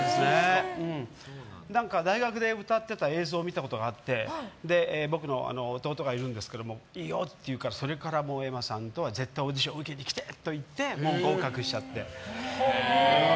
大学で歌ってた映像を見たことがあって僕の弟がいるんですけどいいよって言うからそれからエマさんとは絶対オーディション受けに来てと言って合格しちゃって。